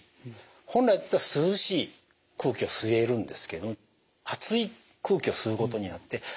本来だったら涼しい空気を吸えるんですけど熱い空気を吸うことになって体が冷えない。